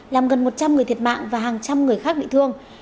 làm gần một trăm linh người thiệt mạng và hàng trăm người khác bị thương